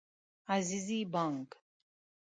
عزیزي بانګ